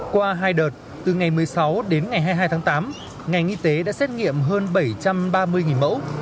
qua hai đợt từ ngày một mươi sáu đến ngày hai mươi hai tháng tám ngành y tế đã xét nghiệm hơn bảy trăm ba mươi mẫu